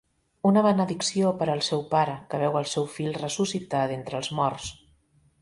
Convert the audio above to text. Una benedicció per al seu pare, que veu el seu fill ressuscitar d'entre els morts.